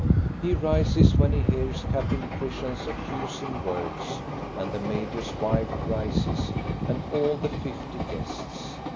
He rises when he hears Captain Christian's accus — ing words, and the major's wife rises, and all the^ fifty guests.